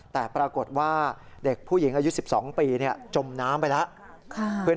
แต่ปรากฏว่าเด็กผู้หญิงอายุ๑๒ปีจมน้ำไปแล้ว